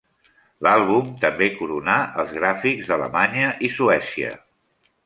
L'àlbum també coronà els gràfics d'Alemanya i Suècia.